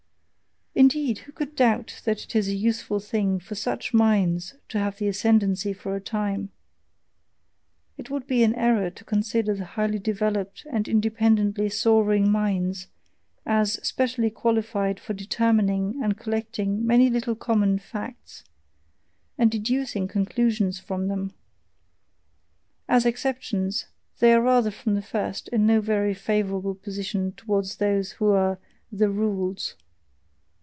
Indeed, who could doubt that it is a useful thing for SUCH minds to have the ascendancy for a time? It would be an error to consider the highly developed and independently soaring minds as specially qualified for determining and collecting many little common facts, and deducing conclusions from them; as exceptions, they are rather from the first in no very favourable position towards those who are "the rules."